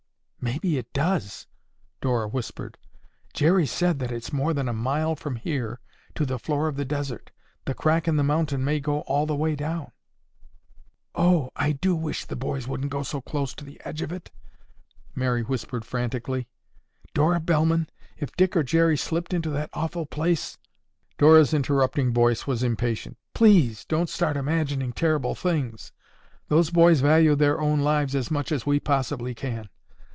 "Maybe it does!" Dora whispered. "Jerry said that it's more than a mile from here to the floor of the desert. The crack in the mountain may go all the way down." "Oh, I do wish the boys wouldn't go so close to the edge of it!" Mary whispered frantically. "Dora Bellman, if Dick or Jerry slipped into that awful place—" Dora's interrupting voice was impatient. "Please don't start imagining terrible things. Those boys value their own lives as much as we possibly can.